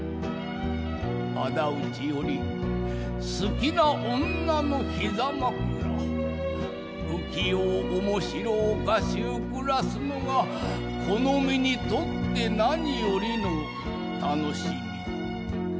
仇討ちより好きな女の膝枕浮き世おもしろおかしゅう暮らすのがこの身にとって何よりの楽しみ」。